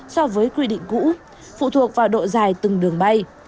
so với quy định cũ phụ thuộc vào độ dài từng đường bay